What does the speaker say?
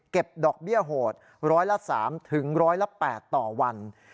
เก็บดอกเบี้ยโหดร้อยละ๓๑๐๘ต่อวัน